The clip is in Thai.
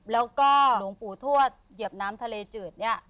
แล้วก็หลวงปู่ทวดเหยียบน้ำทะเลจืดเนี่ย